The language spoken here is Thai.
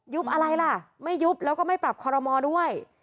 อะไรล่ะไม่ยุบแล้วก็ไม่ปรับคอรมอด้วย